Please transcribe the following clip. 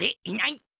いない？